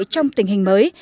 trong tình hình mới